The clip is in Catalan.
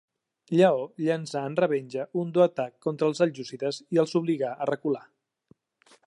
Lleó llançà en revenja un dur atac contra els seljúcides i els obligà a recular.